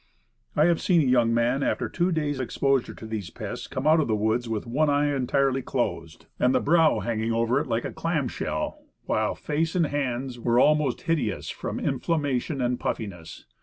I have seen a young man after two days' exposure to these pests come out of the woods with one eye entirely closed and the brow hanging over it like a clam shell, while face and hands were almost hideous from inflammation and puffiness.